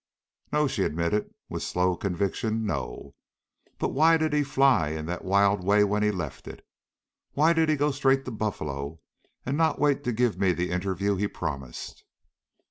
"No," she admitted with slow conviction, "no. But why did he fly in that wild way when he left it? Why did he go straight to Buffalo and not wait to give me the interview he promised?"